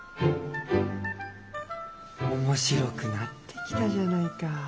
面白くなってきたじゃないか。